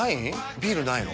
ビールないの？